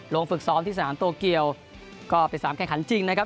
ฝึกซ้อมที่สนามโตเกียวก็เป็นสามแข่งขันจริงนะครับ